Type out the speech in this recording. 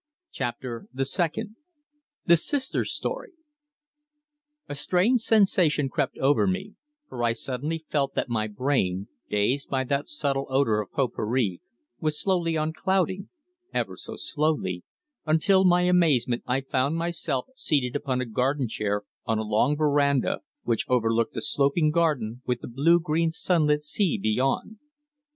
CHAPTER THE SECOND THE SISTER'S STORY A strange sensation crept over me, for I suddenly felt that my brain, dazed by that subtle odour of pot pourri, was slowly unclouding ever so slowly until, to my amazement, I found myself seated upon a garden chair on a long veranda which overlooked a sloping garden, with the blue green sunlit sea beyond.